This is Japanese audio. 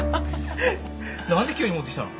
何で急に持ってきたの。